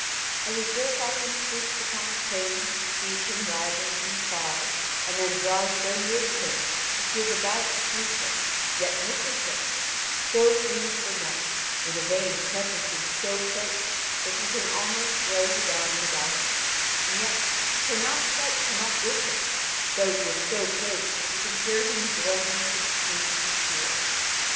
As a gerfalcon swoops upon a crane when he sees him rising from afar, and then draws so near to him that he is about to seize him, yet misses him, so flees the knight, with Yvain pressing him so close that he can almost throw his arm about him, and yet cannot quite come up with him, though he is so close that he can hear him groan for the pain he feels.